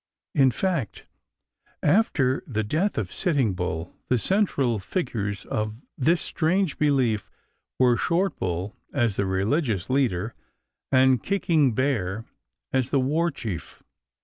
In fact, after the death of Sitting Bull the central figures of this strange belief were Short Bull as the religious leader and Kicking Bear as the war chief.